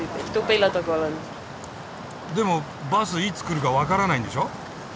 でもバスいつ来るかわからないんでしょ？